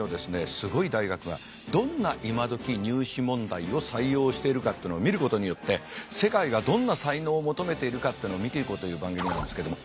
すごい大学がどんな今どき入試問題を採用しているかっていうのを見ることによって世界がどんな才能を求めているかっていうのを見ていこうという番組なんですけども。